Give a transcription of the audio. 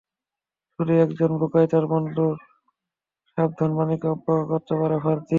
শুধুই একজন বোকাই তার বন্ধুর সাবধানবাণীকে অবজ্ঞা করতে পারে, ফার্দি।